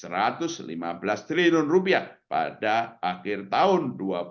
rp satu ratus lima belas triliun rupiah pada akhir tahun dua ribu dua puluh